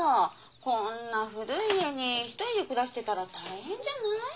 こんな古い家に１人で暮らしてたら大変じゃない？